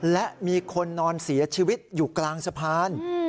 และมีคนนอนเสียชีวิตอยู่กลางสะพาน